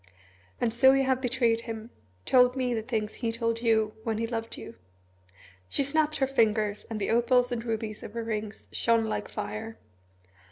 "And so you have betrayed him told me the things he told you when he loved you?" She snapped her fingers, and the opals and rubies of her rings shone like fire.